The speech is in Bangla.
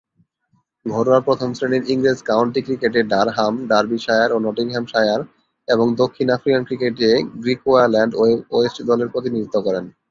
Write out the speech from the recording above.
ঘরোয়া প্রথম-শ্রেণীর ইংরেজ কাউন্টি ক্রিকেটে ডারহাম, ডার্বিশায়ার ও নটিংহ্যামশায়ার এবং দক্ষিণ আফ্রিকান ক্রিকেটে গ্রিকুয়াল্যান্ড ওয়েস্ট দলের প্রতিনিধিত্ব করেন।